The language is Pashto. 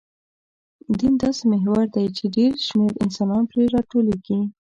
دین داسې محور دی، چې ډېر شمېر انسانان پرې راټولېږي.